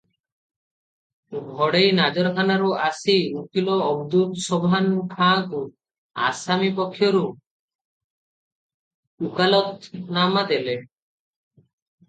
ଘଡ଼େଇ ନାଜରଖାନାରୁ ଆସି ଉକୀଲ ଅବଦୁଲ ଶୋଭାନ ଖାଁଙ୍କୁ ଆସାମୀ ପକ୍ଷରୁ ଉକାଲତନାମା ଦେଲେ ।